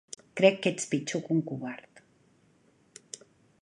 Crec que ets pitjor que un covard.